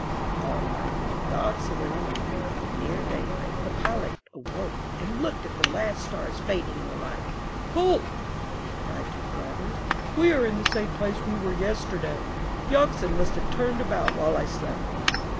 All night long the oxen went on. Near daybreak, the pilot awoke and looked at the last stars fading in the light. "Halt!" he cried to the drivers. "We are in the same place where we were yesterday. The oxen must have turned about while I slept."